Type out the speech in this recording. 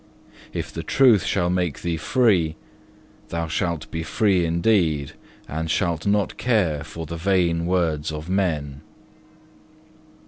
If the truth shall make thee free, thou shalt be free indeed, and shalt not care for the vain words of men."